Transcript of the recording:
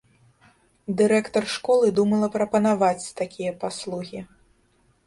Дырэктар школы думала прапанаваць такія паслугі.